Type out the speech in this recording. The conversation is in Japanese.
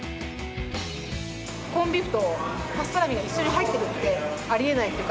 コンビーフとパストラミが一緒に入ってるってありえないっていうか